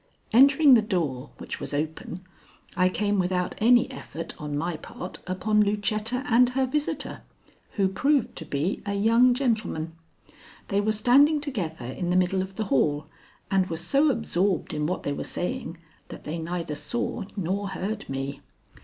Entering the door, which was open, I came without any effort on my part upon Lucetta and her visitor, who proved to be a young gentleman. They were standing together in the middle of the hall and were so absorbed in what they were saying that they neither saw nor heard me.